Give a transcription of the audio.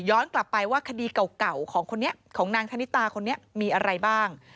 ย้อนกลับไปว่าคดีเก่าของนางธนิตาคนนี้มีอะไรบ้าง